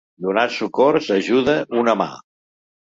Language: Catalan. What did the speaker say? Donar socors, ajuda, una mà.